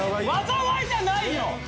災いじゃないよ。